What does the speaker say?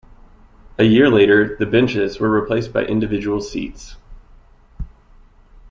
A year later, the benches were replaced by individual seats.